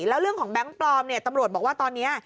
แล้วเรื่องของแบงค์ปลอมเนี่ยตำรวจบอกว่าตอนนี้